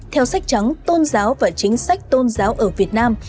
theo sách trắng tôn giáo và chính sách tôn giáo ở việt nam